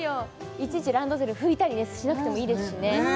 いちいちランドセルふいたりねしなくてもいいですしね